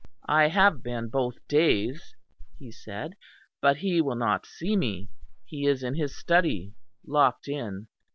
"I have been both days," he said, "but he will not see me; he is in his study, locked in."